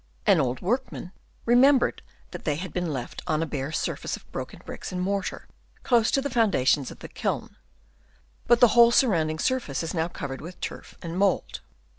An old workman re membered that they had been left on a bare surface of broken bricks and mortar, close to the foundations of the kiln ; but the whole surrounding surface is now covered with turf and mould.